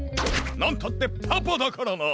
なんたってパパだからな！